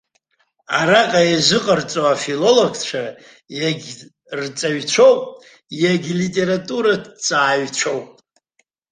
Араҟа иазыҟарҵо афилологцәа иагьырҵаҩцәоуп, иагьлитератураҭҵааҩцәоуп.